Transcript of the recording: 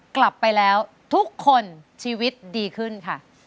กลับไปแล้วทุกคนชีวิตดีขึ้นค่ะ